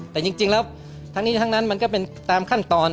แต่จริงแล้วทั้งนี้ทั้งนั้นมันก็เป็นตามขั้นตอน